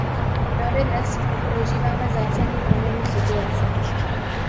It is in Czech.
Právě dnes prožíváme zásadní proměnu situace.